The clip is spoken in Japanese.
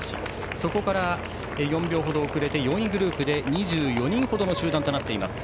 そこから４秒ほど遅れて４位グループで２４人程の集団です。